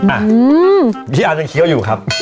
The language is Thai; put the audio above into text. อ่ะพี่อันยังเคี้ยวอยู่ครับ